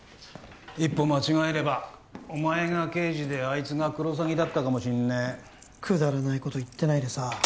一歩間違えればお前が刑事であいつがクロサギだったかもしんねえくだらないこと言ってないでさ